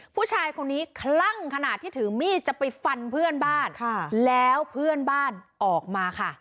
ผู้ชายคนนี้คลั่งขนาดที่ถือมีดจะไปฟันเพื่อนบ้านแล้วเพื่อนบ้านออกมาค่ะ